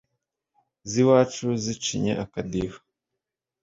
z'iwacu zicinye akadiho